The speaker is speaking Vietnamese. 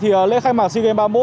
thì lễ khai mạc sigem